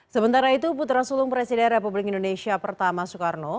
sementara itu putra sulung presiden republik indonesia pertama soekarno